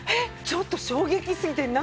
ちょっと衝撃すぎて。